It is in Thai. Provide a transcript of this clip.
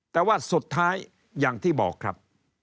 แต่ว่าสุดท้ายอย่างที่บอกครับ